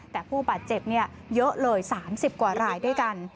แต่ผู้บาดเจ็บเยอะเลย๓๐กว่ารายด้วยกัน